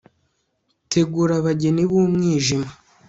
tegura abageni b'umwijima